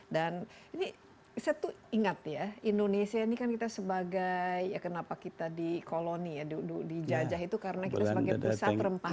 dan ini saya tuh ingat ya indonesia ini kan kita sebagai ya kenapa kita di koloni ya di jajah itu karena kita sebagai perusahaan rempah